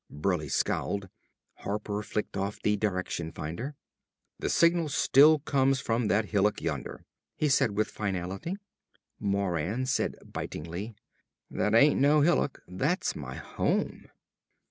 Burleigh scowled. Harper flicked off the direction finder. "The signal still comes from that hillock yonder," he said with finality. Moran said bitingly; "That ain't no hillock, that's my home!"